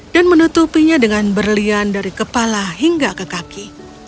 dan menutupinya dengan berlian dari kepala hingga ke kaki